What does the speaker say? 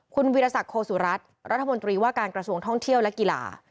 คุณวิทยาศักดิ์โศรัสรัฐมนตรีว่าการกระทรวงท่องเที่ยวและกีฬา